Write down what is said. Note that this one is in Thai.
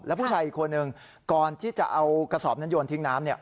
ผู้ชายอีกคนหนึ่งก่อนที่จะเอากระสอบนั้นโยนทิ้งน้ำ